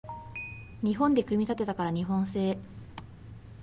日本で組み立てたから日本製